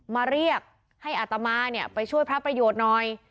มาเรียกให้อาตมาเนี่ยไปช่วยพระประโยชน์หน่อย